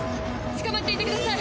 つかまっていてください！